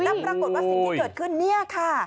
แล้วปรากฏว่าสิ่งที่เกิดขึ้นเนี่ยค่ะ